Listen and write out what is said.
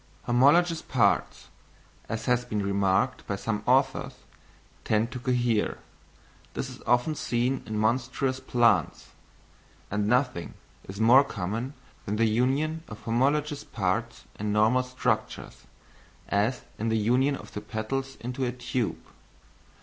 Homologous parts, as has been remarked by some authors, tend to cohere; this is often seen in monstrous plants: and nothing is more common than the union of homologous parts in normal structures, as in the union of the petals into a tube.